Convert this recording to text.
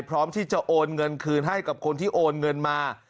พร้อมที่จะโอนเงินคืนให้กับคนที่โอนเงินมา